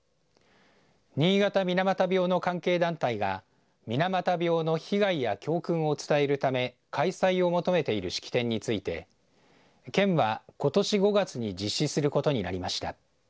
新潟水俣病の関係団体が水俣病の被害や教訓を伝えるため開催を求めている式典について県は、ことし５月に実施することになりました。